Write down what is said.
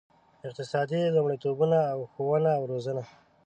اقتصادي لومړیتوبونه او ښوونه او روزنه.